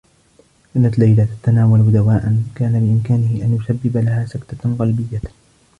كانت ليلى تتناول دواءا كان بإمكانه أن يسبّب لها سكتة قلبيّة.